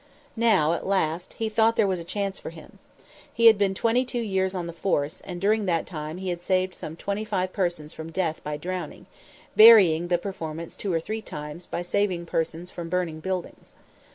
Now, at last, he thought there was a chance for him. He had been twenty two years on the force, and during that time had saved some twenty five persons from death by drowning, varying the performance two or three times by saving persons from burning buildings.